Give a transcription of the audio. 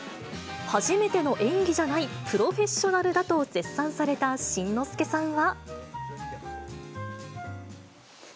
初めての演技じゃない、プロフェッショナルだと絶賛された新之助さんは。